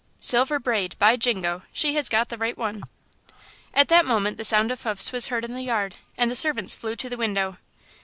"Silver Braid.... by Jingo! She has got the right one." At that moment the sound of hoofs was heard in the yard, and the servants flew to the window.